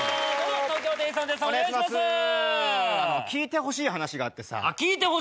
聞いてほしい話があってさ。